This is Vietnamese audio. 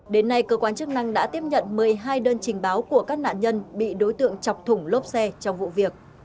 đến nay cơ quan chức năng đã tiếp nhận một mươi hai đơn trình báo của các nạn nhân bị đối tượng chọc thủng lốp xe trong vụ việc